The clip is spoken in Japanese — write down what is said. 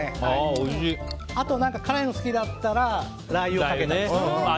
あと、辛いのが好きだったらラー油をかけたり。